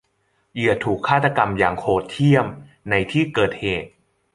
เหยื่อถูกฆาตกรรมอย่างโหดเหี้ยมในที่เกิดเหตุ